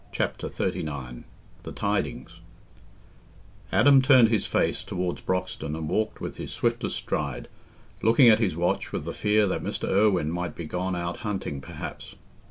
Chapter XXXIX The Tidings Adam turned his face towards Broxton and walked with his swiftest stride, looking at his watch with the fear that Mr. Irwine might be gone out—hunting, perhaps.